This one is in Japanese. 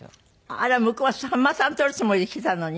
あら向こうはさんまさん撮るつもりで来てたのに。